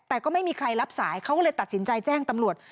แต่ก็ไม่มีใครรับสายเขาก็เลยตัดสินใจแจ้งตำรวจ